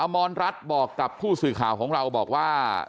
มรรัฐบอกกับผู้สื่อข่าวของเราบอกว่า